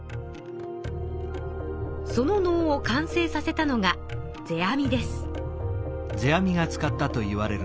その能を完成させたのが世阿弥です。